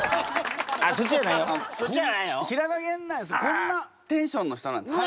こんなテンションの人なんですね。